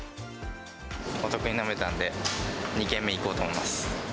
お得に飲めたんで、２軒目行こうと思います。